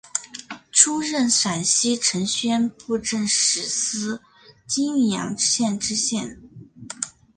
出任陕西承宣布政使司泾阳县知县。